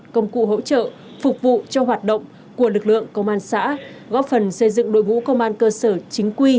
công cụ hỗ trợ phục vụ cho hoạt động của lực lượng công an xã góp phần xây dựng đội ngũ công an cơ sở chính quy